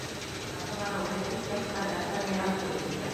Аталары үлеп киткәс, ҡәрҙәштәр мираҫты бүлешкән.